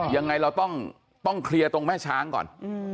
ยังไงเราต้องเคลียร์ตรงแม่ช้างก่อน